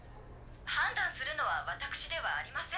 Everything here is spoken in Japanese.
判断するのは私ではありませんので。